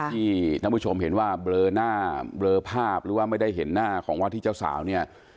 ที่ท่านผู้ชมเห็นว่าเบลอหน้าเบลอภาพหรือว่าไม่ได้เห็นหน้าของวาธิเจ้าสาวเนี่ย